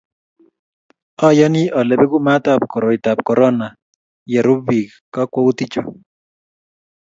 ayani ale beku maatab koroitab korona ye rub biik kakwoutiechu